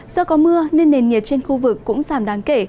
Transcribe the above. do có mưa nên nền nhiệt trên khu vực cũng giảm đáng kể